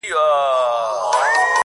ستا خالونه مي ياديږي ورځ تېرېږي.